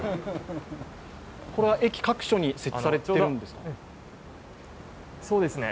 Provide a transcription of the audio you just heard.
これは駅各所に設置されているんですか？